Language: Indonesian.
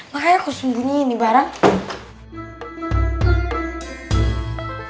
makanya aku sembunyi di barang ini